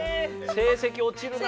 成績落ちるなあ。